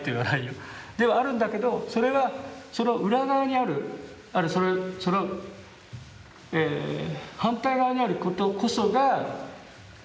ではあるんだけどそれはその裏側にあるその反対側にあることこそが。